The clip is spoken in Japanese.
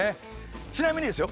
ちなみにですよ